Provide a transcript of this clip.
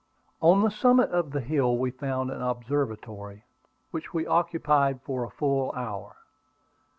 On the summit of the hill we found an observatory, which we occupied for a full hour.